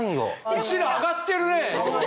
お尻上がってるね！